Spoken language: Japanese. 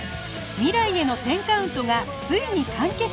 『未来への１０カウント』がついに完結！